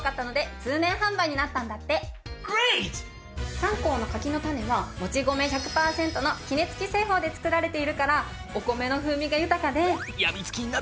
三幸の柿の種は餅米１００パーセントの杵つき製法で作られているからお米の風味が豊かで。